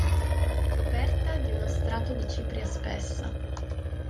Coperta di uno strato di cipria spessa.